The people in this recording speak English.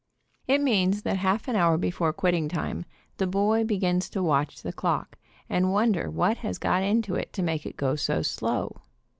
It means that half an hour before quitting time, the boy begins to watch the clock, and wonder what has got into it to make it go so slow.